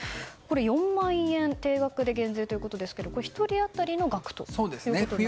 ４万円定額で減税ということですが１人当たりの額となりますか？